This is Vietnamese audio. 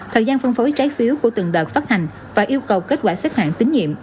thời gian phân phối trái phiếu của từng đợt phát hành và yêu cầu kết quả xếp hạng tín nhiệm